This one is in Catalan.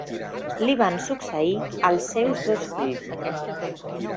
Li van succeir els seus dos fills.